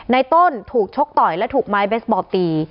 ในต้นถูกชกต่อยและถูกไม้เบสบอลตี